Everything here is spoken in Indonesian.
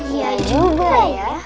iya juga ya